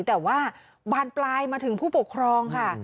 แต่ว่าบานปลายมาถึงผู้ปกครองค่ะ